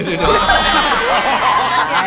เดี๋ยว